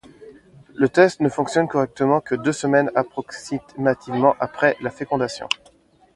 Le test ne fonctionne correctement que deux semaines approximativement après la fécondation.